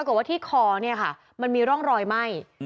ปรากฏว่าที่คอเนี้ยค่ะมันมีร่องรอยไหม้อืม